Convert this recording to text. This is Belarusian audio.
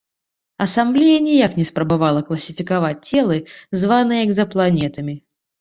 Асамблея ніяк не спрабавала класіфікаваць целы, званыя экзапланетамі.